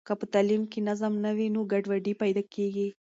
که په تعلیم کې نظم نه وي نو ګډوډي پیدا کېږي.